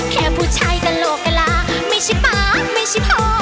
แค่ผู้ชายกระโหลกกะลาไม่ใช่ป๊าไม่ใช่พ่อ